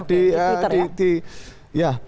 di twitter ya